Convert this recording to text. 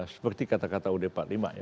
seperti kata kata ud empat puluh lima ya